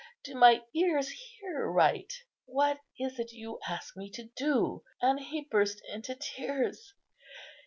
do my ears hear right? What is it you ask me to do?" and he burst into tears.